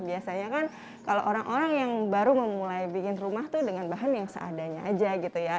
biasanya kan kalau orang orang yang baru memulai bikin rumah tuh dengan bahan yang seadanya aja gitu ya